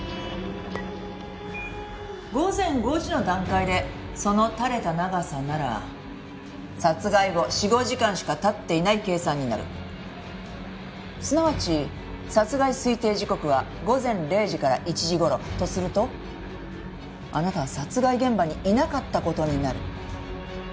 「午前５時の段階でその垂れた長さなら殺害後４５時間しか経っていない計算になる」すなわち殺害推定時刻は午前０時から１時頃。とするとあなたは殺害現場にいなかった事になる。